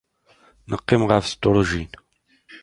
Neqqim ɣef tedrujin.